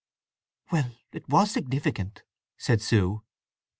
"Well—it was significant," said Sue.